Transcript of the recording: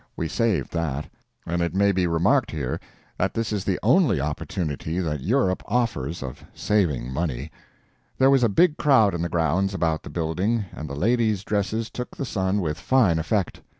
We saved that; and it may be remarked here that this is the only opportunity that Europe offers of saving money. There was a big crowd in the grounds about the building, and the ladies' dresses took the sun with fine effect.